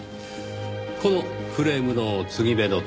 このフレームの継ぎ目のところ。